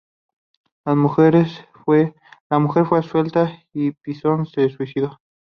La mujer fue absuelta y Pisón se suicidó.